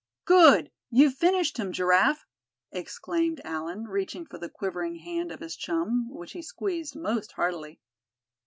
"Good! you've finished him, Giraffe!" exclaimed Allan, reaching for the quivering hand of his chum, which he squeezed most heartily.